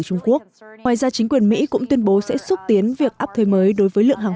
trung quốc ngoài ra chính quyền mỹ cũng tuyên bố sẽ xúc tiến việc áp thuê mới đối với lượng hàng